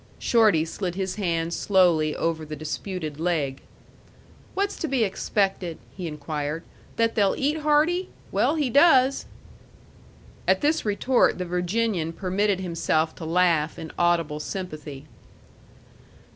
Shorty slid his hand slowly over the disputed leg. "What's to be expected?" he inquired "that they'll eat hearty? Well, he does." At this retort the Virginian permitted himself to laugh in audible sympathy.